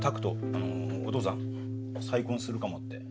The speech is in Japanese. あのお父さん再婚するかもって。